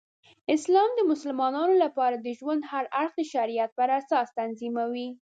اسلام د مسلمانانو لپاره د ژوند هر اړخ د شریعت پراساس تنظیموي.